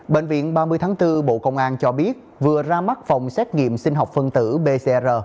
bệnh viện ba mươi tháng bốn bộ công an cho biết vừa ra mắt phòng xét nghiệm sinh học phân tử bcr